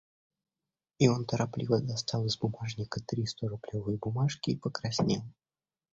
И он торопливо достал из бумажника три сторублевые бумажки и покраснел.